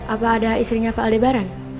apa ada istrinya pak aldebaran